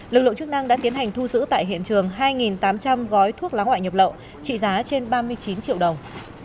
lực lượng chức năng đã tiến hành thu giữ tại hiện trường hai tám trăm linh gói thuốc lá ngoại nhập lậu trị giá trên ba mươi chín triệu đồng